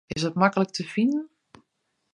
Is it maklik te finen?